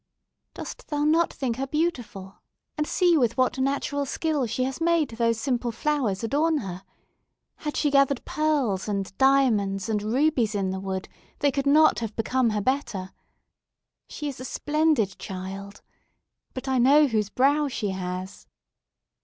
"Dost thou not think her beautiful? And see with what natural skill she has made those simple flowers adorn her! Had she gathered pearls, and diamonds, and rubies in the wood, they could not have become her better! She is a splendid child! But I know whose brow she has!"